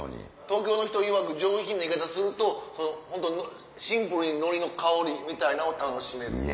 東京の人いわく上品な言い方するとホントシンプルに海苔の香りみたいなんを楽しめる。